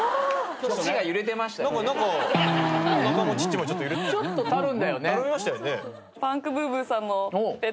ちょっとたるんだよね。